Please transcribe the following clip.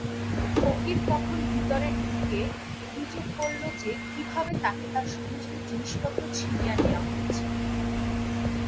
ফকির তখন ভিতরে ঢুকে অভিযোগ করল যে কীভাবে তাকে তার সমস্ত জিনিসপত্র ছিনিয়ে নেওয়া হয়েছে।